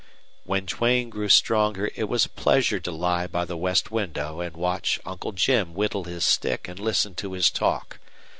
When Duane grew stronger it was a pleasure to lie by the west window and watch Uncle Jim whittle his stick and listen to his talk.